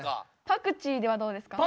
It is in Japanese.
パクチーではどうですか？